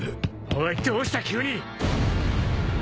おいどうした急に！